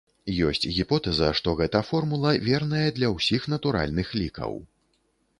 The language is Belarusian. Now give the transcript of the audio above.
Ёсць гіпотэза, што гэта формула верная для ўсіх натуральных лікаў.